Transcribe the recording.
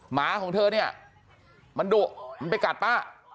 หมาของเธอเนี่ยมันดุมันไปกัดป้า